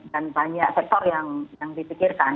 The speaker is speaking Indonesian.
dan banyak sektor yang dipikirkan